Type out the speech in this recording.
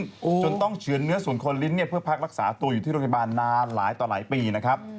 จนต้องเฉือนเนื้อส่วนคนลิ้นเนี่ยเพื่อพักรักษาตัวอยู่ที่โรงพยาบาลนานหลายต่อหลายปีนะครับ